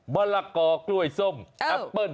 มะละกอกล้วยส้มแอปเปิ้ล